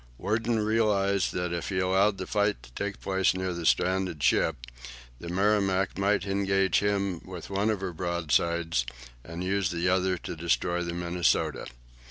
Worden realized that if he allowed the fight to take place near the stranded ship, the "Merrimac" might engage him with one of her broadsides, and use the other to destroy the "Minnesota."